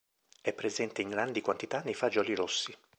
È presente in grandi quantità nei fagioli rossi.